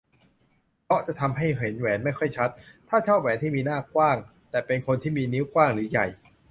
เพราะจะทำให้เห็นแหวนไม่ค่อยชัด ถ้าชอบแหวนที่มีหน้ากว้าง แต่เป็นคนที่มีนิ้วกว้างหรือใหญ่